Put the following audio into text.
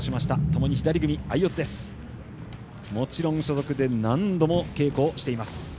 もちろん所属で何度も稽古をしています。